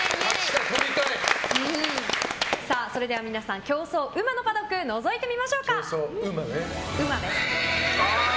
それでは皆さん競争うまのパドックをのぞいてみましょうか。